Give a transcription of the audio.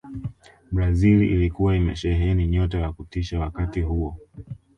brazil ilikuwa imesheheni nyota wa kutisha wakati huo